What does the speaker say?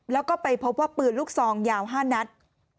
แล้วก็ไปพบว่าปืนลูกซองยาว๕นัด